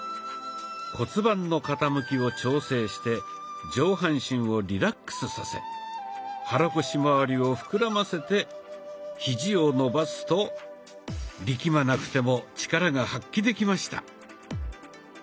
骨盤の傾きを調整して上半身をリラックスさせ肚腰まわりを膨らませてヒジを伸ばすと力まなくても力が発揮できました。